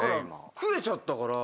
食えちゃったから。